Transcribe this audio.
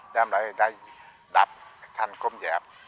đem lại người ta đập thành cung dẹp